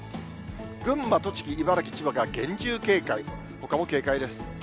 群馬、栃木、茨城、千葉が厳重警戒、ほかも警戒です。